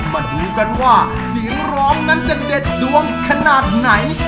มาดูกันว่าเสียงร้องนั้นจะเด็ดดวงขนาดไหน